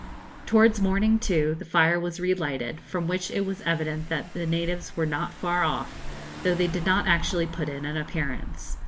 Towards morning, too, the fire was relighted, from which it was evident that the natives were not far off, though they did not actually put in an appearance.